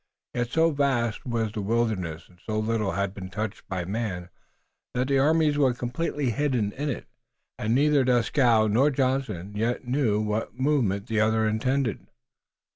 Yet so vast was the wilderness and so little had it been touched by man, that the armies were completely hidden in it, and neither Dieskau nor Johnson yet knew what movement the other intended.